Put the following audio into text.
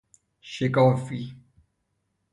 شکافی